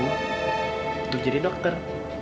untuk jadi dokter